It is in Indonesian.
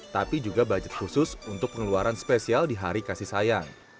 tapi juga budget khusus untuk pengeluaran spesial di hari kasih sayang